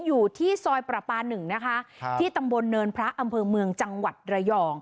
อยู่ที่ซอยประปาหนึ่งนะคะที่ตำบลเนินพระอำเภอเมืองจังหวัดระยอง